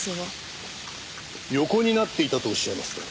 横になっていたとおっしゃいますと？